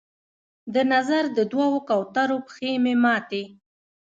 د نظر د دوو کوترو پښې مې ماتي